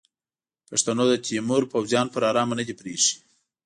پښتنو د تیمور پوځیان پر ارامه نه دي پریښي.